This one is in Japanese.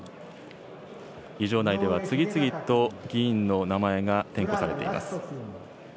議場内では次々と議員の名前が点呼されています。